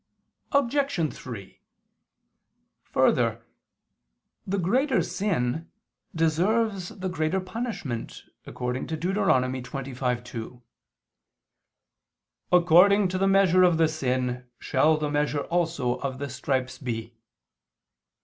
Obj. 3: Further, the greater sin deserves the greater punishment, according to Deut. 25:2: "According to the measure of the sin shall the measure also of the stripes be."